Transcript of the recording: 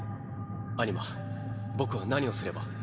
アニマ僕は何をすれば？